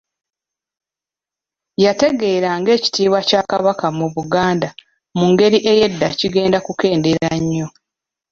Yategeera ng'ekitiibwa kya Kabaka mu Buganda mu ngeri ey'edda kigenda kukendeera nnyo.